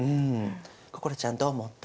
心ちゃんどう思った？